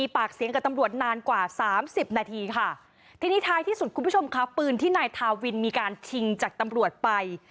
ปืนที่นายทาวินมีการชิงจากตำรวจไป